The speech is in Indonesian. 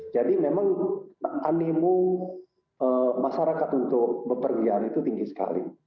jadi memang animu masyarakat untuk bepergian itu tinggi sekali